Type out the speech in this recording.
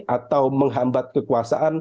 atau menghambat kekuasaan negara